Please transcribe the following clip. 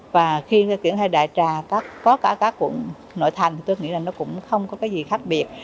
và khi triển khai đại trà có cả các quận nội thành thì tôi nghĩ là nó cũng không có cái gì khác biệt